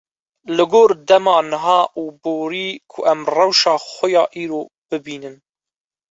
li gor dema niha û borî ku em rewşa xwe ya îro bibînin.